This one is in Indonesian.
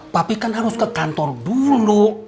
tapi kan harus ke kantor dulu